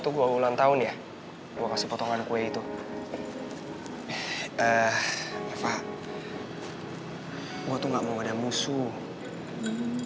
gue tuh gak mau ada musuh